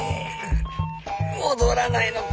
戻らないのか。